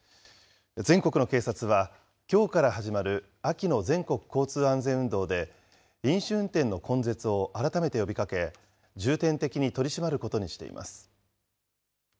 全国の警察は、きょうから始まる秋の全国交通安全運動で、飲酒運転の根絶を改めて呼びかけ、重点的に取り締まることにしています。